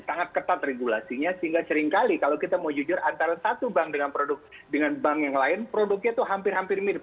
sangat ketat regulasinya sehingga seringkali kalau kita mau jujur antara satu bank dengan produk dengan bank yang lain produknya itu hampir hampir mirip